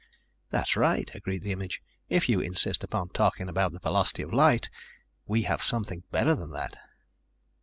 "That's right," agreed the image, "if you insist upon talking about the velocity of light. We have something better than that."